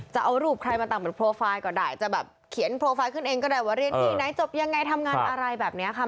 จะเอารูปใครมาตั้งเป็นโปรไฟล์ก็ได้จะแบบเขียนโปรไฟล์ขึ้นเองก็ได้ว่าเรียนที่ไหนจบยังไงทำงานอะไรแบบนี้ค่ะ